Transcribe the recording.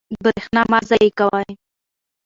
برښنا مه ضایع کوئ.